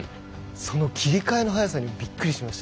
その切り替えの早さにびっくりしました。